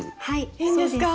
いいんですか？